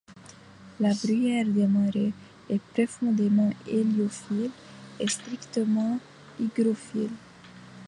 La bruyère des marais est profondément héliophile et strictement hygrophile.